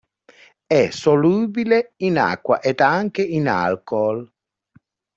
È solubile in acqua ed anche in alcool.